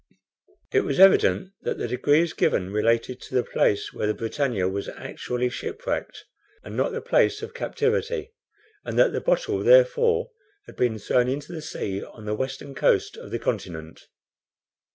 It was evident that the degrees given related to the place where the BRITANNIA was actually shipwrecked and not the place of captivity, and that the bottle therefore had been thrown into the sea on the western coast of the continent.